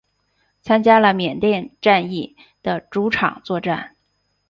参加了缅甸战役的诸场作战。